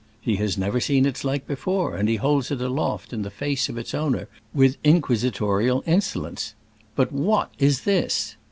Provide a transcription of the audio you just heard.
He has never seen its like before, and he holds it aloft in the the face of its owner with inquisitorial insolence :*' But what is this